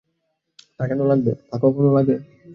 তা কেন লাগবে- যার জিনিস তাকে তো ফেরত দেওয়া হল, তা কখনও লাগে?